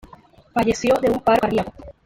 Falleció de un paro cardíaco.